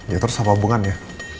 ya terus sama pabungan ya